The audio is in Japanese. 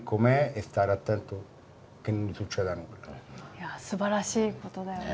いやあすばらしいことだよね。